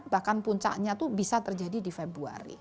bahkan puncaknya itu bisa terjadi di februari